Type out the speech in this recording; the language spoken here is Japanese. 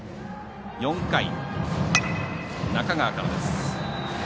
４回、中川からです。